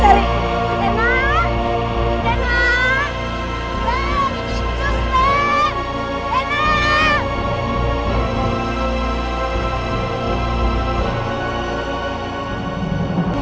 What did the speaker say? tante plotnya berapa lagi ya